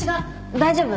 大丈夫。